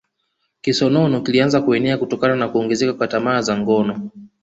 Kisonono kilianza kuenea kutokana na kuongezeka kwa tamaa za ngono